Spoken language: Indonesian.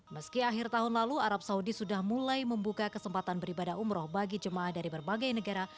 meski akhir tahun lalu arab saudi sudah mulai membuka kesempatan beribadah umroh bagi jemaah dari berbagai negara